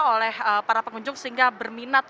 oleh para pengunjung sehingga berminat